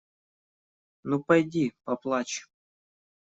Ну пойди, поплачь!